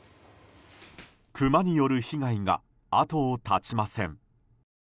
クマによる被害が後を絶ちません。